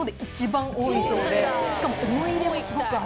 しかも思い入れもすごくある。